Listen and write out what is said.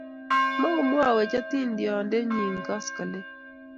mukumwowech atindionde nyin koskoleny